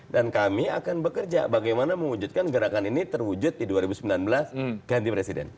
dan kami akan bekerja bagaimana mewujudkan gerakan ini terwujud di dua ribu sembilan belas ganti presiden